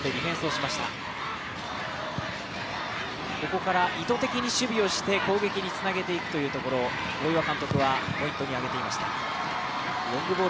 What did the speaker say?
ここから意図的に守備をして攻撃につなげていくというところ、大岩監督はポイントに上げていました。